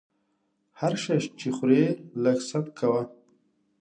هر شی چې خورې لږ ست کوه!